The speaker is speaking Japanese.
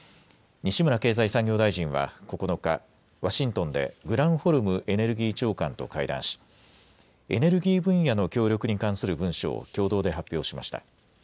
西村経済産業大臣は９日、ワシントンでグランホルムエネルギー長官と会談しエネルギー分野の協力に関する文書を共同で発表しました。